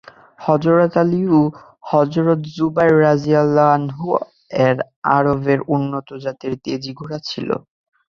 হযরত আলী এবং হযরত জুবাইর রাযিয়াল্লাহু আনহু-এর আরবের উন্নত জাতের তেজি ঘোড়া ছিল।